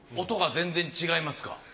音が全然違いますか？